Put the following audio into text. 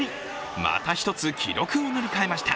また一つ、記録を塗り替えました。